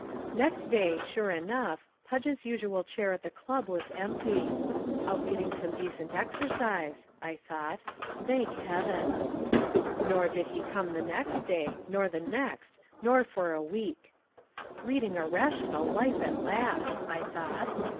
Next day, sure enough, Podge's usual chair at the club was empty. "Out getting some decent exercise," I thought. "Thank Heaven!" Nor did he come the next day, nor the next, nor for a week. "Leading a rational life at last," I thought.